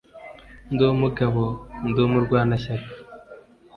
Ndi umugabo ndi umurwanashyaka